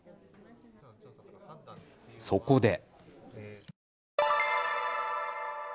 そこで。